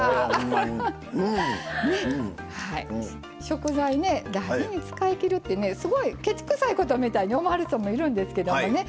食材ね大事に使いきるってねすごいケチくさいことみたいに思わはる人もいるんですけどもね。